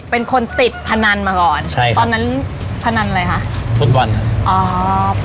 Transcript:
เป็นคนติดพนันมาก่อนใช่ตอนนั้นพนันอะไรคะฟุตบอลครับอ๋อ